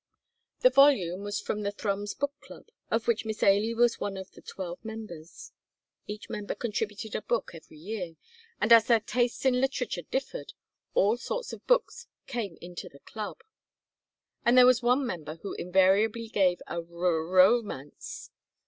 The volume was from the Thrums Book Club, of which Miss Ailie was one of the twelve members. Each member contributed a book every year, and as their tastes in literature differed, all sorts of books came into the club, and there was one member who invariably gave a ro ro romance.